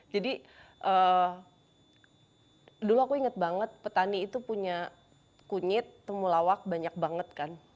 jadi dulu aku ingat banget petani itu punya kunyit temulawak banyak banget kan